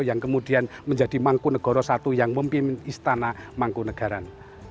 yang kemudian menjadi mangkunegoro i yang memimpin istana mangkunegaran